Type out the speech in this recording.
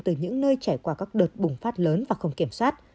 từ những nơi trải qua các đợt bùng phát lớn và không kiểm soát